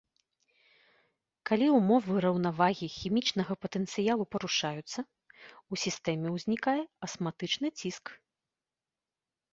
Калі ўмовы раўнавагі хімічнага патэнцыялу парушаюцца, у сістэме ўзнікае асматычны ціск.